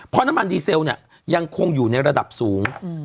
เพราะน้ำมันดีเซลเนี่ยยังคงอยู่ในระดับสูง